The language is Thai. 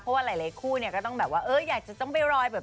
เพราะว่าหลายคู่ก็ต้องอยากจะต้องไปลอย